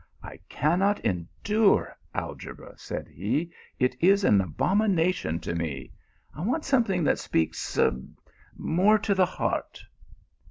" I cannot endure algebra," said he ;" it is an abomination to me. I want something that speaks more to the heart."